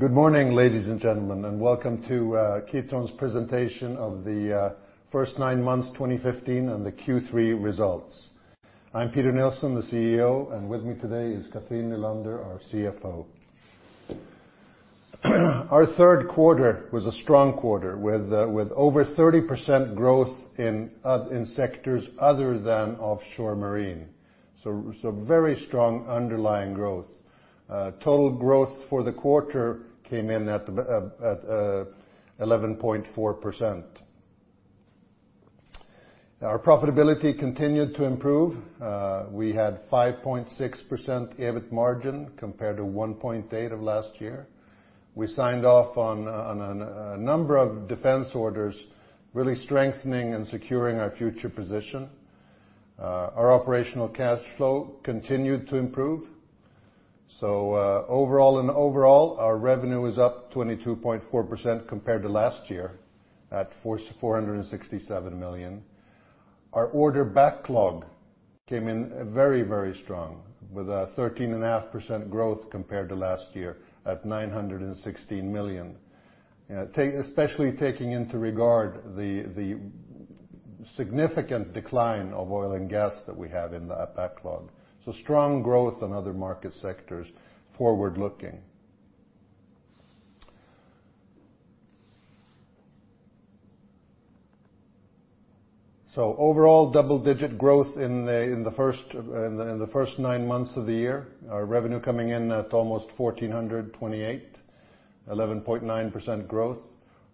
Good morning, ladies and gentlemen, and welcome to Kitron's presentation of the first nine months 2015 and the Q3 results. I'm Peter Nilsson, the CEO, and with me today is Cathrin Nylander, our CFO. Our third quarter was a strong quarter with over 30% growth in sectors other than offshore marine. Very strong underlying growth. Total growth for the quarter came in at the 11.4%. Our profitability continued to improve. We had 5.6% EBIT margin compared to 1.8% of last year. We signed off on a number of defense orders really strengthening and securing our future position. Our operational cash flow continued to improve. Overall, our revenue is up 22.4% compared to last year at 467 million. Our order backlog came in very, very strong with a 13.5% growth compared to last year at 916 million. Especially taking into regard the significant decline of oil and gas that we have in the backlog. Strong growth in other market sectors forward-looking. Overall double-digit growth in the first nine months of the year. Our revenue coming in at almost 1,428, 11.9% growth.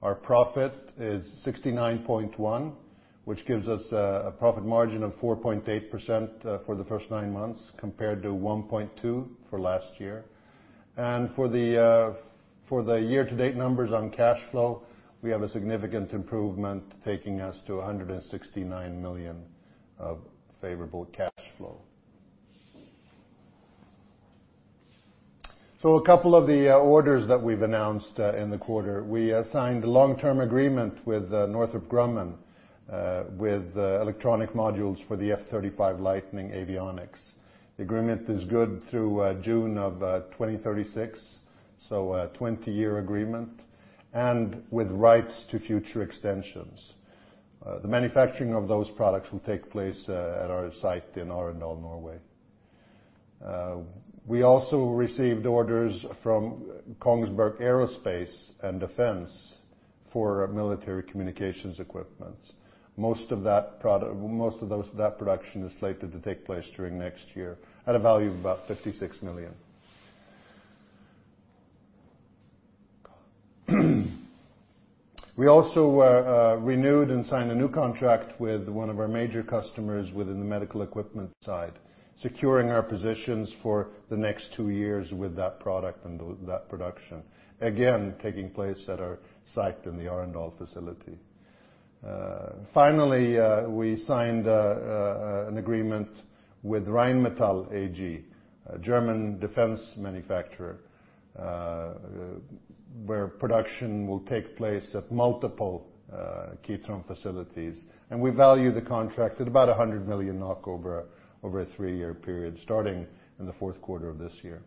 Our profit is 69.1, which gives us a profit margin of 4.8% for the first nine months compared to 1.2% for last year. For the year-to-date numbers on cash flow, we have a significant improvement taking us to 169 million of favorable cash flow. A couple of the orders that we've announced in the quarter. We signed a long-term agreement with Northrop Grumman with electronic modules for the F-35 Lightning II Avionics. The agreement is good through June of 2036, so a 20-year agreement and with rights to future extensions. The manufacturing of those products will take place at our site in Arendal, Norway. We also received orders from Kongsberg Aerospace and Defence for military communications equipments. Most of those, that production is slated to take place during next year at a value of about 56 million. We also renewed and signed a new contract with one of our major customers within the medical equipment side, securing our positions for the next two years with that product and that production. Again, taking place at our site in the Arendal facility. Finally, we signed an agreement with Rheinmetall AG, a German defense manufacturer, where production will take place at multiple Kitron facilities. We value the contract at about 100 million NOK over a three-year period, starting in the fourth quarter of this year.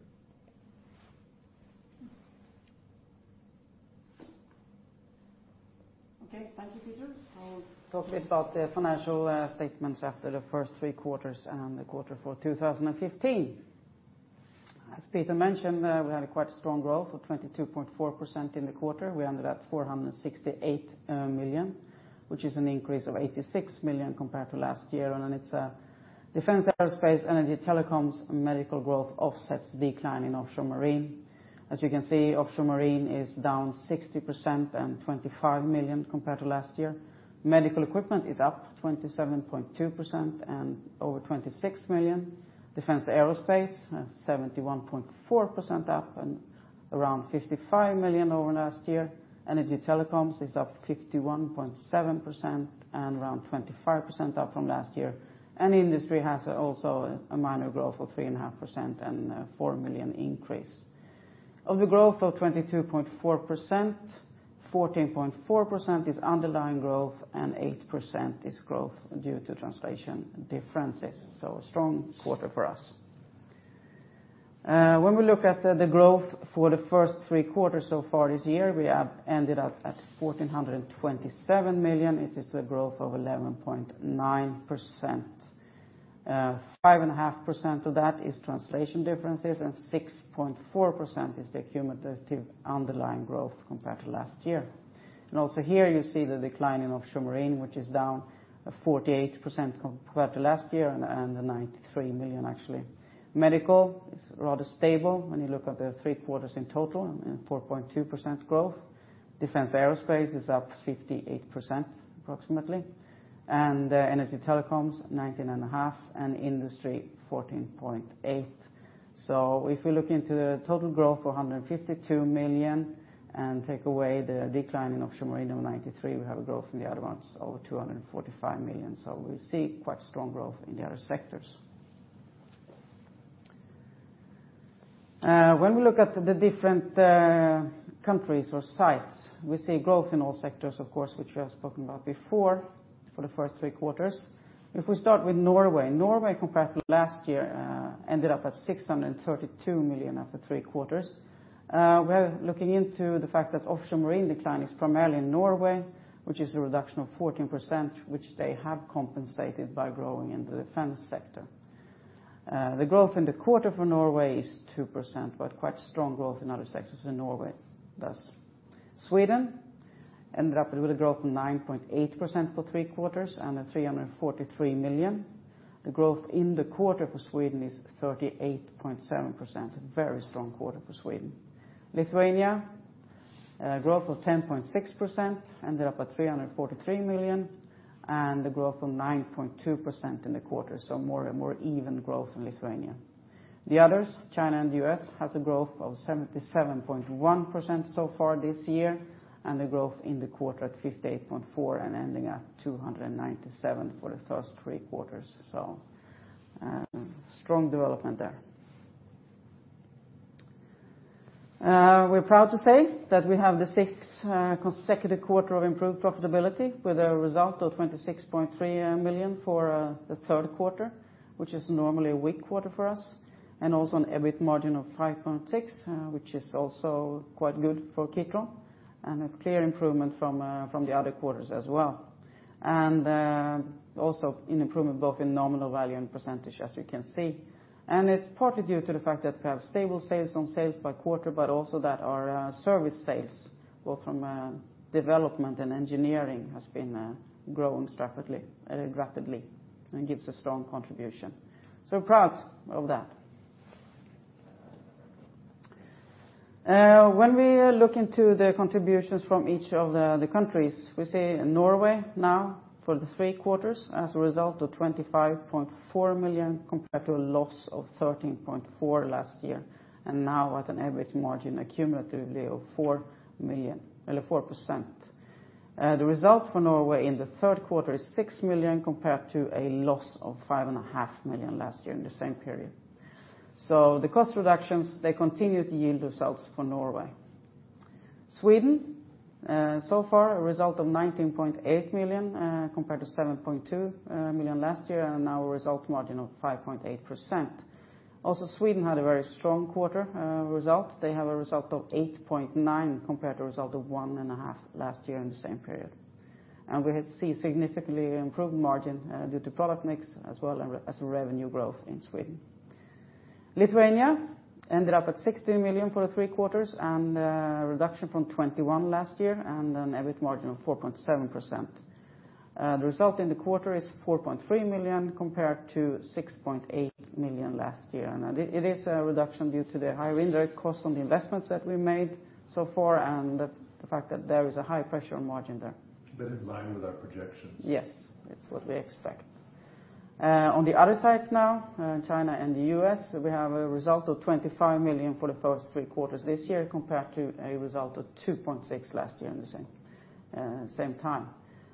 Okay, thank you, Peter. I'll talk a bit about the financial statements after the first three quarters and the quarter for 2015. As Peter mentioned, we had a quite strong growth of 22.4% in the quarter. We ended at 468 million, which is an increase of 86 million compared to last year. It's defense aerospace, energy telecoms, and medical growth offsets decline in offshore marine. As you can see, offshore marine is down 60% and 25 million compared to last year. Medical equipment is up 27.2% and over 26 million. Defense aerospace, 71.4% up and around 55 million over last year. Energy telecoms is up 51.7% and around 25% up from last year. Industry has also a minor growth of 3.5% and 4 million increase. Of the growth of 22.4%, 14.4% is underlying growth and 8% is growth due to translation differences. A strong quarter for us. When we look at the growth for the first three quarters so far this year, we have ended up at 1,427 million. It is a growth of 11.9%. 5.5% of that is translation differences and 6.4% is the cumulative underlying growth compared to last year. Also here you see the decline in offshore marine, which is down 48% compared to last year and 93 million actually. Medical is rather stable when you look at the three quarters in total and 4.2% growth. Defense aerospace is up 58% approximately. Energy telecoms, 19.5%, and industry, 14.8%. If we look into the total growth of 152 million and take away the decline in offshore marine of 93, we have a growth in the other ones over 245 million. We see quite strong growth in the other sectors. When we look at the different countries or sites, we see growth in all sectors, of course, which we have spoken about before. For the first three quarters. If we start with Norway compared to last year, ended up at 632 million after three quarters. We're looking into the fact that offshore marine decline is primarily in Norway, which is a reduction of 14%, which they have compensated by growing in the defense sector. The growth in the quarter for Norway is 2% but quite strong growth in other sectors in Norway thus. Sweden ended up with a growth of 9.8% for three quarters and 343 million. The growth in the quarter for Sweden is 38.7%. A very strong quarter for Sweden. Lithuania, growth of 10.6%, ended up at 343 million and a growth of 9.2% in the quarter, more and more even growth in Lithuania. The others, China and U.S. has a growth of 77.1% so far this year and a growth in the quarter at 58.4% and ending at 297 for the first three quarters. strong development there. We're proud to say that we have the 6th consecutive quarter of improved profitability with a result of 26.3 million for the third quarter, which is normally a weak quarter for us, and also an EBIT margin of 5.6%, which is also quite good for Kitron and a clear improvement from the other quarters as well. also an improvement both in nominal value and percentage as we can see. It's partly due to the fact that we have stable sales on sales by quarter but also that our service sales both from development and engineering has been grown rapidly and gives a strong contribution. Proud of that. When we look into the contributions from each of the countries, we see Norway now for the three quarters has a result of 25.4 million compared to a loss of 13.4 last year and now at an average margin accumulatively of 4 million, 4%. The result for Norway in the third quarter is 6 million compared to a loss of five and a half million last year in the same period. The cost reductions, they continue to yield results for Norway. Sweden, so far a result of 19.8 million compared to 7.2 million last year and now a result margin of 5.8%. Sweden had a very strong quarter result. They have a result of 8.9 million compared to a result of one and a half last year in the same period. We have seen significantly improved margin due to product mix as well as revenue growth in Sweden. Lithuania ended up at 16 million for the three quarters and a reduction from 21 million last year and an EBIT margin of 4.7%. The result in the quarter is 4.3 million compared to 6.8 million last year. It is a reduction due to the higher indirect cost on the investments that we made so far and the fact that there is a high pressure on margin there. In line with our projections. It's what we expect. On the other side now, China and the U.S. we have a result of 25 million for the first three quarters this year compared to a result of 2.6 last year in the same time.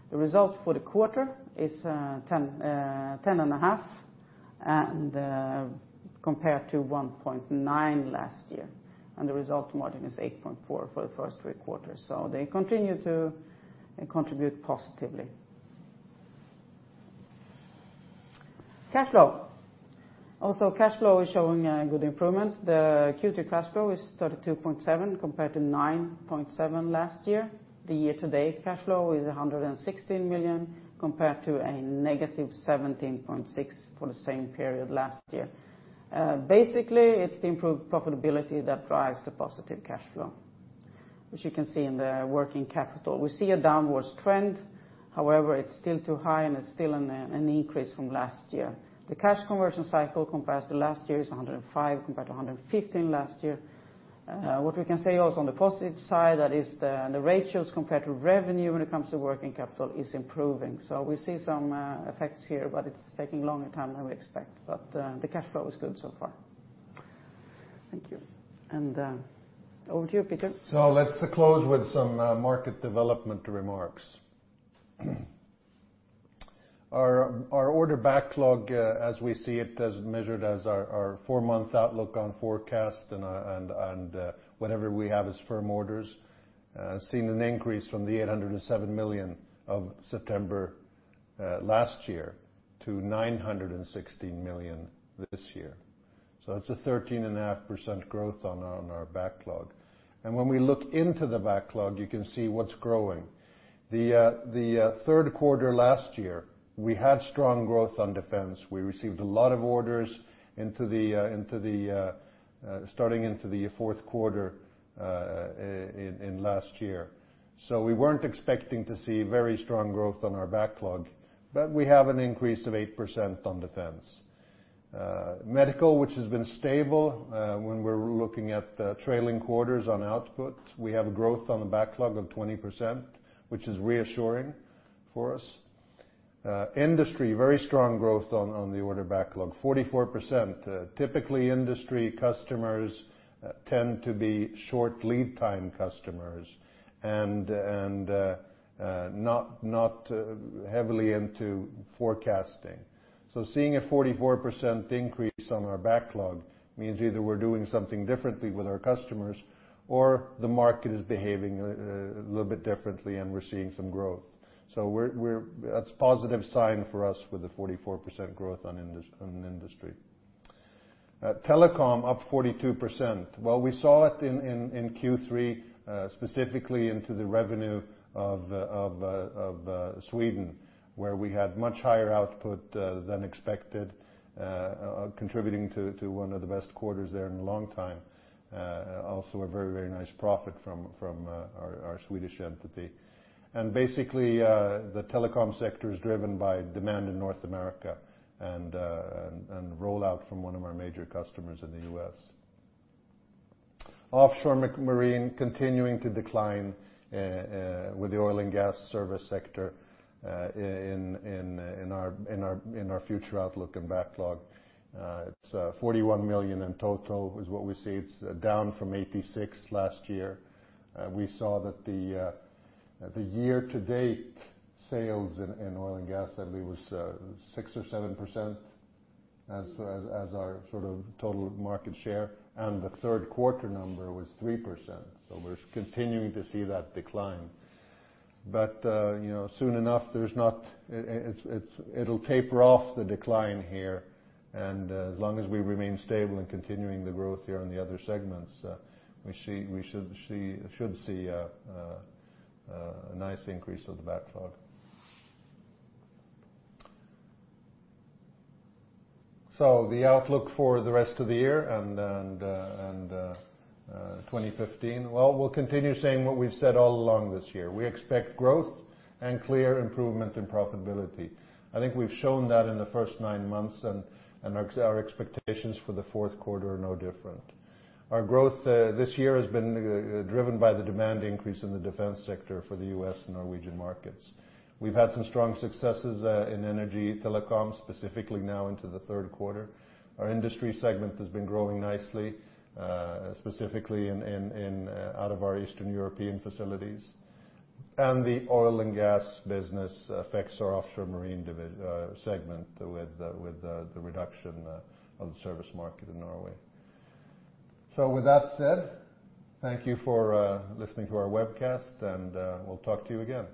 The result for the quarter is 10.5 and compared to 1.9 last year and the result margin is 8.4% for the first three quarters. They continue to contribute positively. Cash flow. Also cash flow is showing a good improvement. The Q3 cash flow is 32.7 compared to 9.7 last year. The year-to-date cash flow is 116 million compared to a negative 17.6 for the same period last year. Basically it's the improved profitability that drives the positive cash flow which you can see in the working capital. We see a downwards trend, however it's still too high and it's still an increase from last year. The cash conversion cycle compared to last year is 105 compared to 115 last year. What we can say also on the positive side that is the ratios compared to revenue when it comes to working capital is improving. We see some effects here but it's taking longer time than we expect but the cash flow is good so far. Thank you. Over to you Peter. Let's close with some market development remarks. Our order backlog, as we see it as measured as our four-month outlook on forecast and whatever we have as firm orders, has seen an increase from 807 million of September last year to 916 million this year. That's a 13.5% growth on our backlog. When we look into the backlog you can see what's growing. The third quarter last year we had strong growth on defense. We received a lot of orders into the starting into the fourth quarter last year. We weren't expecting to see very strong growth on our backlog but we have an increase of 8% on defense. Medical which has been stable, when we're looking at the trailing quarters on output we have a growth on the backlog of 20% which is reassuring for us. Industry, very strong growth on the order backlog, 44%. Typically industry customers tend to be short lead time customers and not heavily into forecasting. Seeing a 44% increase on our backlog means either we're doing something differently with our customers or the market is behaving a little bit differently and we're seeing some growth. That's positive sign for us with the 44% growth on industry. Telecom up 42%. Well, we saw it in Q3, specifically into the revenue of Sweden, where we had much higher output than expected, contributing to one of the best quarters there in a long time. Also a very nice profit from our Swedish entity. The telecom sector is driven by demand in North America and rollout from one of our major customers in the U.S. offshore marine continuing to decline with the oil and gas service sector in our future outlook and backlog. It's 41 million in total is what we see. It's down from 86 last year. We saw that the year-to-date sales in oil and gas, I believe was 6% or 7% as our sort of total market share, and the third quarter number was 3%. We're continuing to see that decline. You know, soon enough, it'll taper off the decline here. As long as we remain stable in continuing the growth here in the other segments, we should see a nice increase of the backlog. The outlook for the rest of the year and 2015. Well, we'll continue saying what we've said all along this year. We expect growth and clear improvement in profitability. I think we've shown that in the first nine months, and our expectations for the fourth quarter are no different. Our growth this year has been driven by the demand increase in the defense sector for the U.S. and Norwegian markets. We've had some strong successes in energy telecoms, specifically now into the third quarter. Our industry segment has been growing nicely, specifically in out of our Eastern European facilities. The oil and gas business affects our offshore marine segment with the reduction of the service market in Norway. With that said, thank you for listening to our webcast, and we'll talk to you again.